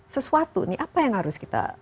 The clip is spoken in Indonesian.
sesuatu nih apa yang harus kita